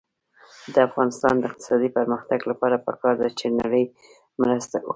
د افغانستان د اقتصادي پرمختګ لپاره پکار ده چې نړۍ مرسته وکړي.